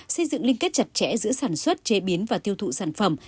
xây dựng liên kết chặt chẽ giữa sản xuất chế biến và tiêu thụ sản phẩm